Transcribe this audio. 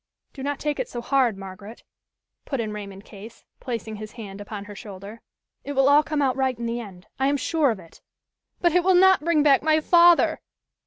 "Do not take it so hard, Margaret," put in Raymond Case, placing his hand upon her shoulder. "It will all come out right in the end I am sure of it." "But it will not bring back my father!"